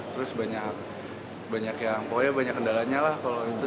terus banyak yang pokoknya banyak kendalanya lah kalau gitu